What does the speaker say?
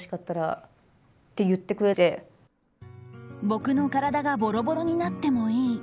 僕の体がボロボロになってもいい。